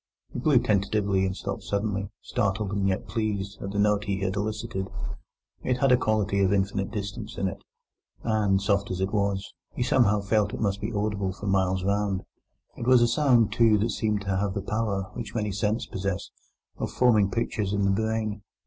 He blew tentatively and stopped suddenly, startled and yet pleased at the note he had elicited. It had a quality of infinite distance in it, and, soft as it was, he somehow felt it must be audible for miles round. It was a sound, too, that seemed to have the power (which many scents possess) of forming pictures in the brain.